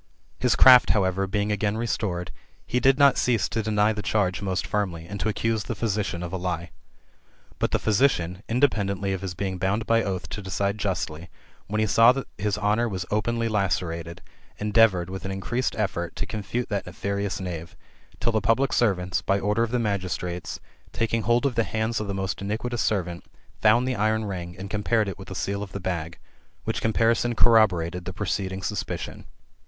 His craft, however, being again restored, he did not cease to deny the charge most fiimly, and to accuse the physician of a lie. But the physician, inde peadently of his being bound by oath to decide justly, when be saw that his honour was openly lacerated, endeavoured, with an increased effort, to confute that nefarious knave ; till the public servants, by order of the ml^2;istrates, taking hold of the hands of the most iniquitous servant, found the iron ring, and compared it with the seal of the bag: which comparison corroborated the preceding suspicion.